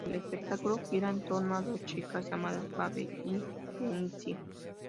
El espectáculo gira en torno a dos chicas llamadas Babe y Kenzie.